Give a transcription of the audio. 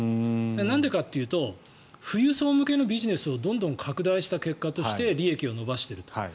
なんでかというと富裕層向けのビジネスをどんどん拡大した結果として利益を伸ばしている。